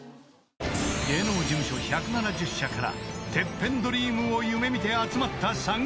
［芸能事務所１７０社からＴＥＰＰＥＮドリームを夢見て集まった参加者］